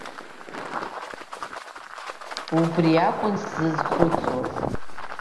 Убри иакәын сзызхәыцуаз.